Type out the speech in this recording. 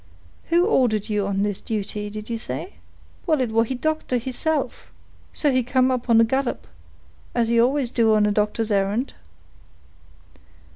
"Who ordered you on this duty, did you say?" "Well, it war he doctor, heself, so he come up on a gallop, as he always do on a doctor's errand."